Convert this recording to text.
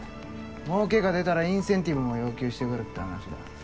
もうけが出たらインセンティブも要求してくるって話だ。